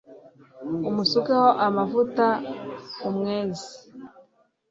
umusukeho amavuta i umweze